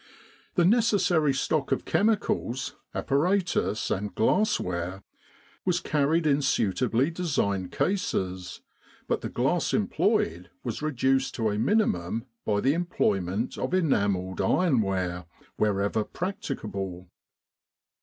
The necessary stock of chemicals, apparatus, and glassware was carried in suitably designed cases, 199 With the R.A.M.C. in Egypt but the glass employed was reduced to a minimum by the employment of enamelled ironware, wherever practicable.